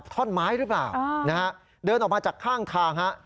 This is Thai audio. ท่อนไม้หรือเปล่านะฮะเดินออกมาจากข้างทางฮะ